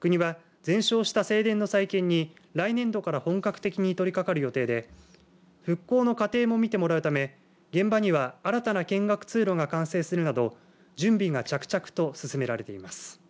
国は、全焼した正殿の再建に来年度から本格的に取りかかる予定で復興の過程も見てもらうため現場には新たな見学通路が完成するなど準備が着々と進められています。